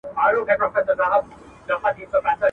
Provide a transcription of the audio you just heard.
ستاسو خوږو مینوالو سره شریکوم .